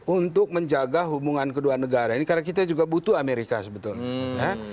untuk menjaga hubungan kedua negara ini karena kita juga butuh amerika sebetulnya ya